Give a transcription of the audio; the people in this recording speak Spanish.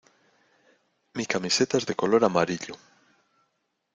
Mi camiseta es de color amarillo.